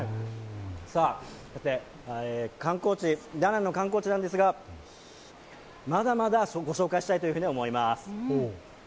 さて、ダナンの観光地なんですが、まだまだご紹介したいと思います。